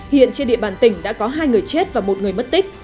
hiện trên địa bàn tỉnh đã có hai người chết và một người mất tích